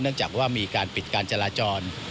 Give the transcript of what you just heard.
จากว่ามีการปิดการจราจร